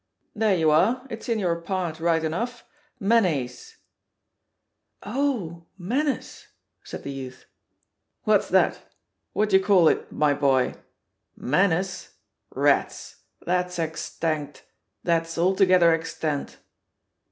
There you are, it's in your part right enough— ^inenaceY^ Oh, Menace'?" said the youth. What's that — ^what d'ye call it, my boy? ^Menace'l KatsI That's extant, that's alto gether extant."